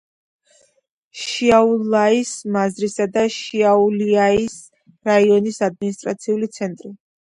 შიაულიაის მაზრისა და შიაულიაის რაიონის ადმინისტრაციული ცენტრი.